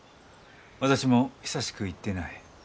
私も久しく行っていない。